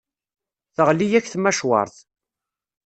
Teɣli-yak tmacwart.